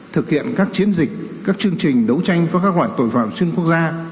thực hiện các chiến dịch các chương trình đấu tranh với các loại tội phạm xuyên quốc gia